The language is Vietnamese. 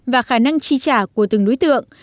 và khả năng tri trả của từng đối tượng